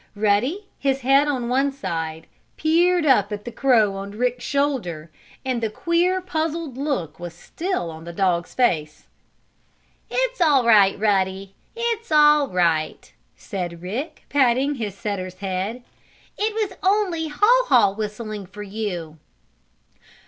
Ruddy, his head on one side, peered up at the crow on Rick's shoulder and the queer, puzzled look was still on the dog's face. "It's all right, Ruddy! It's all right," said Rick, patting his setter's head. "It was only Haw Haw whistling for you."